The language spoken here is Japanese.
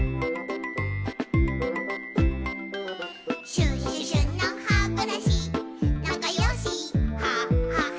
「シュシュシュのハブラシなかよしハハハ」